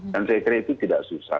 dan saya kira itu tidak susah